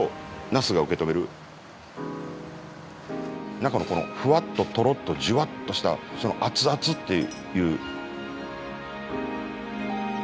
中のこのフワッとトロッとジュワッとしたその熱々っていう。